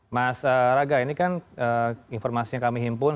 mas raga ini kan informasinya kami himpun